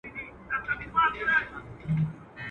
د خور او مور له ګریوانونو سره لوبي کوي.